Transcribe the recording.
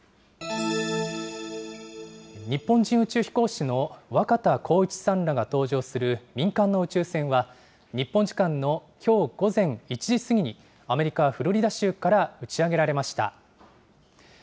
日本人宇宙飛行士の若田光一さんらが搭乗する民間の宇宙船は、日本時間のきょう午前１時過ぎに、アメリカ・フロリダ州から打ち上げられました。